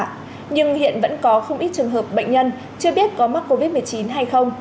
nhưng hiện vẫn có không ít trường hợp bệnh nhân chưa biết có mắc covid một mươi chín hay không